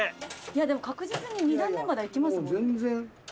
いやでも確実に２段目まではいきますもん。